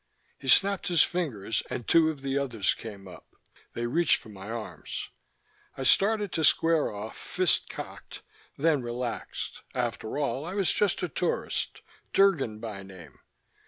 He snapped his fingers and two of the others came up; they reached for my arms. I started to square off, fist cocked, then relaxed; after all, I was just a tourist, Drgon by name.